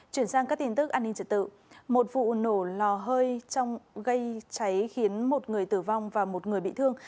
chuyển sang các tin tức an ninh trật tự một vụ nổ lò hơi gây cháy khiến một người tử vong và một người bị thương